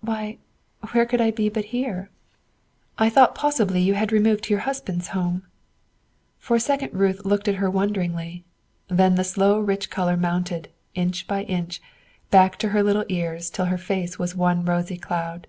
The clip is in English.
"Why, where could I be but here?" "I thought possibly you had removed to your husband's home." For a second Ruth looked at her wonderingly; then the slow rich color mounted, inch by inch, back to her little ears till her face was one rosy cloud.